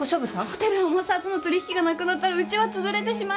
ホテル天沢との取引がなくなったらうちはつぶれてしまいます。